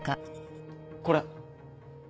これ。